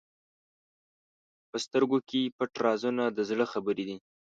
په سترګو کې پټ رازونه د زړه خبرې دي.